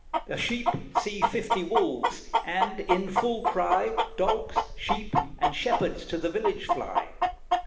The sheep see fifty wolves; and, in full cry, Dogs, sheep, and shepherds to the village fly.